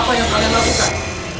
apa yang kalian lakukan